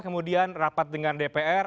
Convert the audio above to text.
kemudian rapat dengan dpr